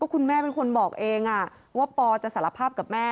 คุณแม่เป็นคนบอกเองว่าปอจะสารภาพกับแม่